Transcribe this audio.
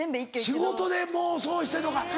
仕事でもうそうしてんのか。